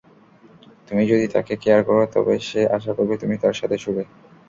তুমি যদি তাকে কেয়ার করো তবে সে আশা করবে তুমি তার সাথে শুবে।